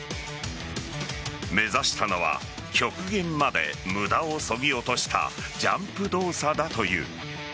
目指したのは極限まで無駄をそぎ落としたジャンプ動作だという。